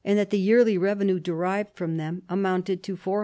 hat the yearly revenue derived from l/hem amounted to £ i20,000.